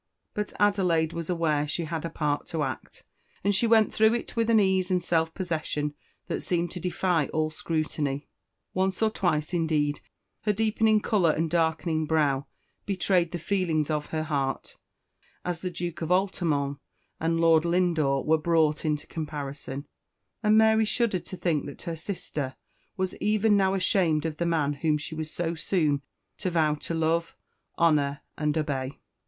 But Adelaide was aware she had a part to act, and she went through it with an ease and self possession that seemed to defy all scrutiny. Once or twice, indeed, her deepening colour and darkening brow betrayed the feelings of her heart, as the Duke of Altamont and Lord Lindore were brought into comparison; and Mary shuddered to think that her sister was even now ashamed of the man whom she was so soon to vow to love, honour, and obey.